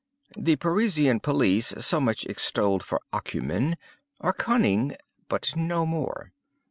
The Parisian police, so much extolled for acumen, are cunning, but no more.